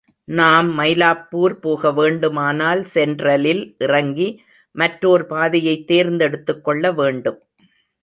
நாம் மைலாப்பூர் போகவேண்டுமானால் சென்ட்ரலில் இறங்கி மற்றோர் பாதையைத் தேர்ந்தெடுத்துக்கொள்ள வேண்டும்.